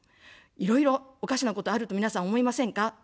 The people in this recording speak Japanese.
いろいろおかしなことあると皆さん、思いませんか。